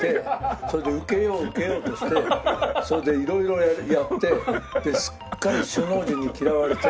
それでウケようウケようとしてそれで色々やってですっかり首脳陣に嫌われて。